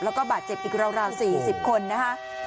แล้วก็บาดเจ็บอีกราว๔๐คนนะคะ